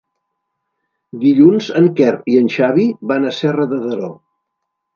Dilluns en Quer i en Xavi van a Serra de Daró.